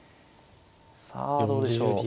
さあどうでしょう。